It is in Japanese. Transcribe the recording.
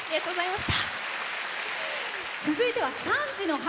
続いては３児の母。